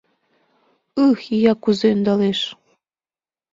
Ых, ия, кузе ӧндалеш!